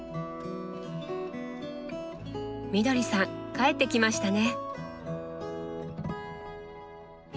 みどりさん帰ってきましたね。